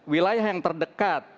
wilayah yang terdekat